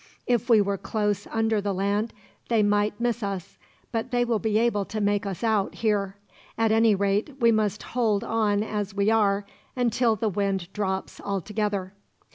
If we were close under the land they might miss us, but they will be able to make us out, here. At any rate, we must hold on as we are, until the wind drops altogether."